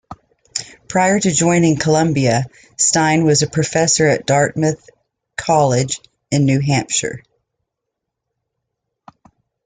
Prior to joining Columbia, Stein was a professor at Dartmouth College in New Hampshire.